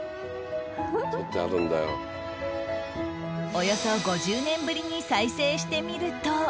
およそ５０年ぶりに再生してみると